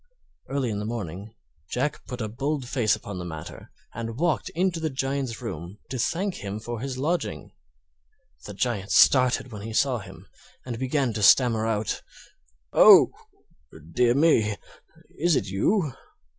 Early in the morning Jack put a bold face upon the matter and walked into the Giant's room to thank him for his lodging. The Giant started when he saw him, and began to stammer out: "Oh! dear me; is it you?